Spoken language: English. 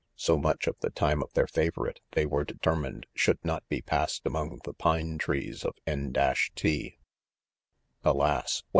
So much of the time of their favorite, they were deter mined should not be passed among the pine trees of N 1. Alas! what